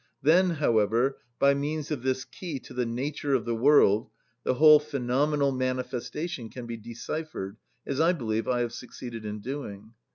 Then, however, by means of this key to the nature of the world, the whole phenomenal manifestation can be deciphered, as I believe I have succeeded in doing.